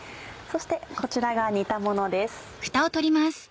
そしてこちらが煮たものです。